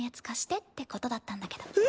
貸してってことだったんだけど。